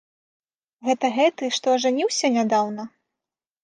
Гэта гэты, што ажаніўся нядаўна?